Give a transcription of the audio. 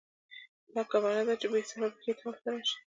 دا کعبه نه ده چې بې سر و پښې طواف ته راشې.